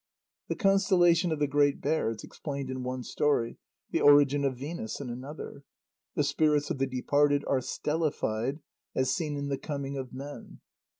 The constellation of the Great Bear is explained in one story, the origin of Venus in another. The spirits of the departed are "stellified" as seen in "The Coming of Men."